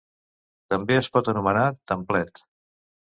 També es pot anomenar templet.